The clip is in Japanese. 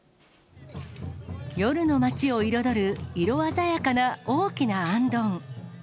夜の町を彩る色鮮やかな大きなあんどん。